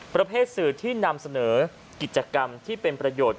ประเภทสื่อที่นำเสนอกิจกรรมที่เป็นประโยชน์